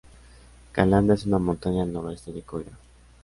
Calanda es una montaña al noroeste de Coira.